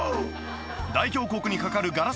大峡谷に架かるガラス